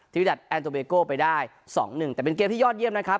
วิดัติแอนโตเบโก้ไปได้๒๑แต่เป็นเกมที่ยอดเยี่ยมนะครับ